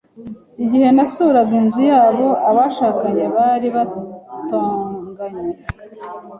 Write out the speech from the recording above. Igihe nasuraga inzu yabo, abashakanye bari batonganye.